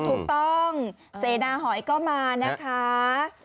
ถูกต้องเสนาหอยก็มานะคะ